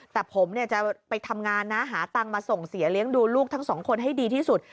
แต่ผมจะไปทำงานนะหาตังค์มาส่งเสียเลี้ยงดูลูกทั้งสองคนให้ดีที่สุด